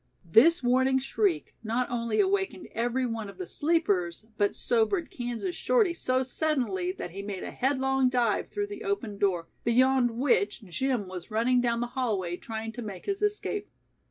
This warning shriek not only awakened every one of the sleepers but sobered Kansas Shorty so suddenly that he made a headlong dive through the open door, beyond which Jim was running down the hallway trying to make his escape.